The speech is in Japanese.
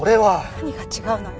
何が違うのよ。